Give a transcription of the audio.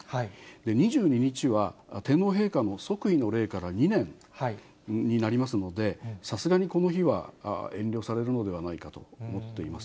２２日は天皇陛下の即位の礼から２年になりますので、さすがにこの日は遠慮されるのではないかと思っています。